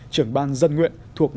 trưởng ban dân nguyện thuộc